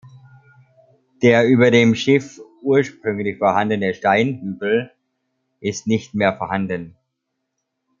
Der über dem Schiff ursprünglich vorhandene Steinhügel ist nicht mehr vorhanden.